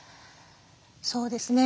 そうですね。